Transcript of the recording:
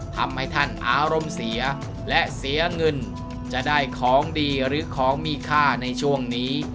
ทำให้ท่านอารมณ์เสียและเสียเงินจะได้ของดีหรือของมีค่าในช่วงนี้